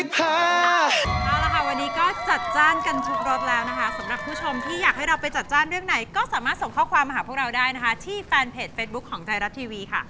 พี่ได่ก็เซ็นลายเซ็นนะ